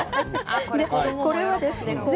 これをですね